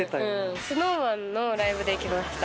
娘：ＳｎｏｗＭａｎのライブで行きました。